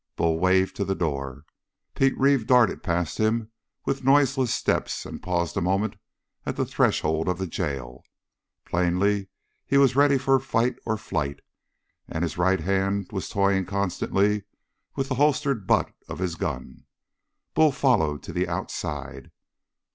Bull waved to the door. Pete Reeve darted past him with noiseless steps and paused a moment at the threshold of the jail. Plainly he was ready for fight or flight, and his right hand was toying constantly with the holstered butt of his gun. Bull followed to the outside.